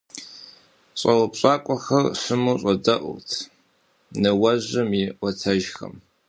ЩӀэупщӀакӀуэхэр щыму щӀэдэӀурт ныуэжьым и Ӏуэтэжхэм.